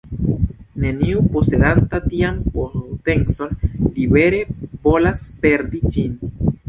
Neniu, posedanta tian potencon, libere volas perdi ĝin.